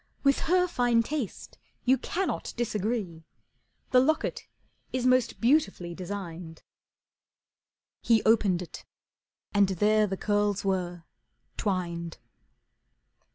With her fine taste you cannot disagree, The locket is most beautifully designed." He opened it and there the curls were, twined.